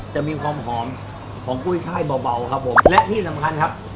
จะมีความหอมของกุ้ยช่ายเบาครับผมและที่สำคัญครับ